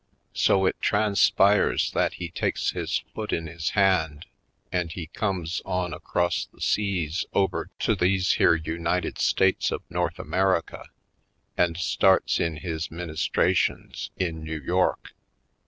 So it transpires that he takes his foot in his hand and he comes on across the seas over to these here United States of North America and starts in his ministrations in New York.